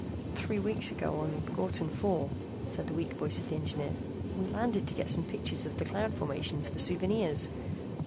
"Three weeks ago on Ghortin IV," said the weak voice of the engineer. "We landed to get some pictures of the cloud formations for souvenirs.